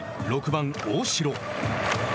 ６番大城。